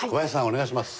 お願いします。